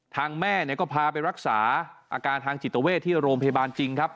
แม่ก็พาไปรักษาอาการทางจิตเวทที่โรงพยาบาลจริงครับ